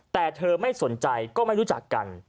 แต่เธอไม่สนใจก็ไม่รู้จักกัน